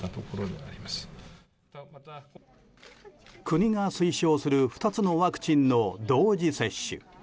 国が推奨する２つのワクチンの同時接種。